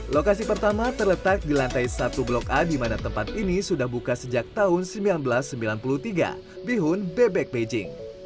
lokasi pertama terletak di lantai satu blok a di mana tempat ini sudah buka sejak tahun seribu sembilan ratus sembilan puluh tiga bihun bebek beijing